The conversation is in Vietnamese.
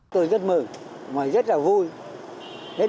tôi rất mừng và rất là vui